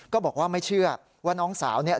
ก็บอกว่าไม่เชื่อว่าน้องสาวเนี่ย